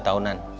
dua tahun ini